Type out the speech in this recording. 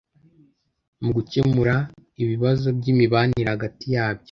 mu gukemura ibibazo by’imibanire hagati yabyo.